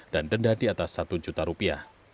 dan denda di atas satu juta rupiah